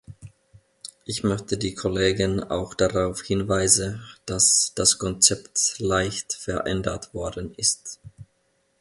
Ich möchte die Kollegen auch darauf hinweise, dass das Konzept leicht verändert worden ist.